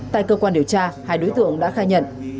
tại cơ quan điều tra hai đối tượng đã khai nhận